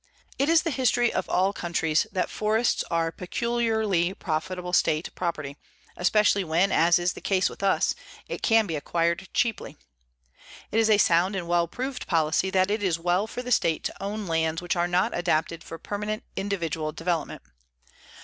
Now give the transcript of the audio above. It is the history or all countries that forests are peculiarly profitable state property, especially when, as is the case with us, it can be acquired cheaply. It is a sound and well proved policy that it is well for the state to own lands which are not adapted for permanent individual development.